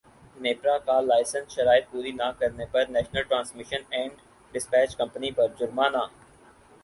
نیپرا کا لائسنس شرائط پوری نہ کرنے پر National Transmission and Despatch Company پر جرمانہ